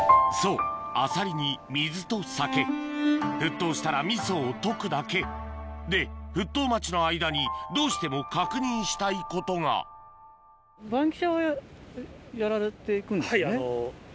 そうアサリに水と酒沸騰したら味噌をとくだけで沸騰待ちの間にどうしても確認したいことがはいあの。